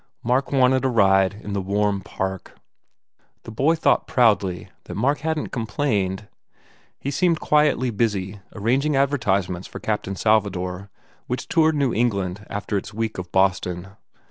Mark wanted a ride in the warm park. The boy thought proudly that Mark hadn t complained. He seemed quietly busy, arranging advertisements for "Captain Salvador" which toured New England after its week of Boston.